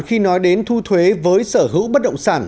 khi nói đến thu thuế với sở hữu bất động sản